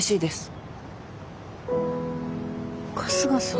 春日さん。